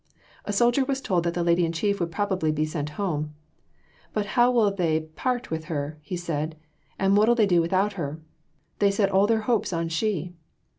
A soldier was told that the Lady in Chief would probably be sent home. "But how will they pairt with her," he said, "what'll they do without her? they set all their hopes on she."